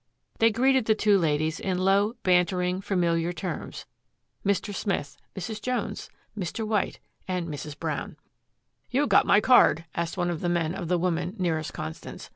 They greeted the two ladies in low, bantering, familiar terms "Mr. Smith," "Mrs. Jones," "Mr. White" and "Mrs. Brown." "You got my card!" asked one of the men of the woman nearest Constance.